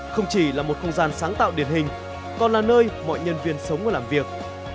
không chỉ là một không gian sáng tạo điển hình còn là nơi mọi nhân viên sống và làm việc